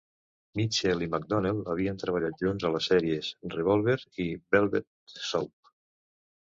Mitchell i McDonnell havien treballat junts a les sèries "Revolver" i " Velvet Soup".